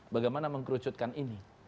bagaimana mengkerucutkan ini